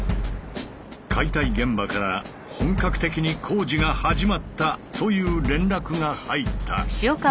解体現場から「本格的に工事が始まった」という連絡が入った。